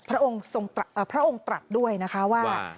พระองค์ตรัสด้วยนะคะว่า